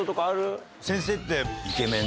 先生って。